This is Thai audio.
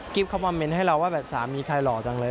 กิฟต์เขามาเมนต์ให้เราว่าสามีใครหล่อจังเลย